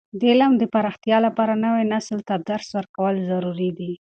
د علم د پراختیا لپاره، نوي نسل ته درس ورکول ضروري دي.